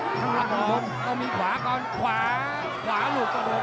กาดเกมสีแดงเดินแบ่งมูธรุด้วย